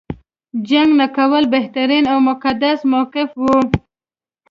جنګ نه کول بهترین او مقدس موقف و.